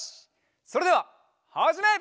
それでははじめ！